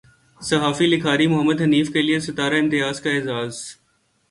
صحافی لکھاری محمد حنیف کے لیے ستارہ امتیاز کا اعزاز